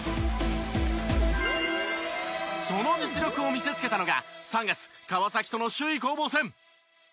その実力を見せつけたのが３月川崎との首位攻防戦。